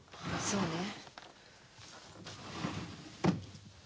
そうね。